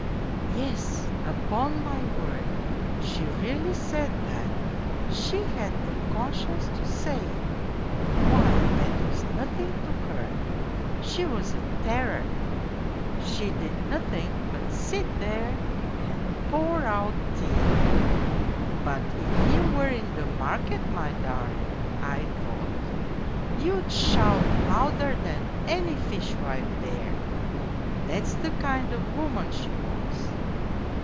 " Yes, upon my word, she really said that she had the conscience to say it. Why, that was nothing to her, she was a terror ! She did nothing but sit there and pour out tea. But if you were in the market, my darling, I thought you'd shout louder than any fishwife there. ... That's the kind of woman she was.